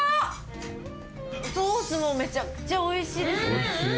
ソースもめちゃくちゃおいしいですね。